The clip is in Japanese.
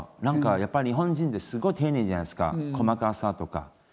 何かやっぱり日本人ってすごい丁寧じゃないですか細かさとか。